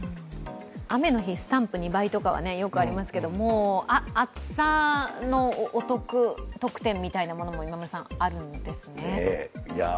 雨の日スタンプ２倍とかはよくありますけどもう暑さのお得特典みたいなものもあるんですね。